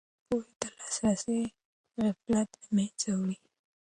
پوهې ته لاسرسی غفلت له منځه وړي.